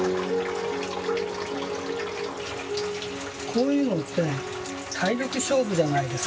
こういうのって体力勝負じゃないですか。